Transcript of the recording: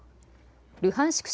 ルハンシク